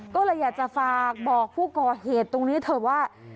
ก็เลยอยากจะฝากบอกผู้ก่อเหตุตรงนี้เถอะว่า